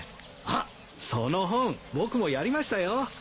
あっその本僕もやりましたよ。